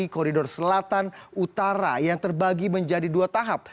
koridor selatan utara yang terbagi menjadi dua tahap